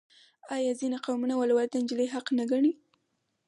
آیا ځینې قومونه ولور د نجلۍ حق نه ګڼي؟